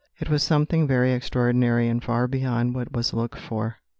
It was something very extraordinary and far beyond what was looked for."